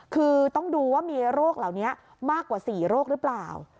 คือต้องดูว่ามีโรคเหล่านี้มากกว่า๔โรคหรือเปล่า